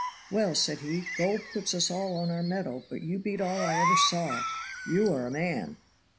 "Well," said he, "gold puts us all on our mettle, but you beat all I ever saw. You are a man."